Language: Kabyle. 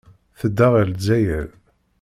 Tedda ɣer Lezzayer.